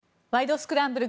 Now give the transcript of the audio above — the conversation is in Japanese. スクランブル」